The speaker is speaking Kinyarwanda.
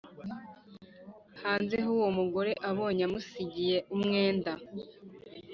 hanze h Uwo mugore abonye ko amusigiye umwenda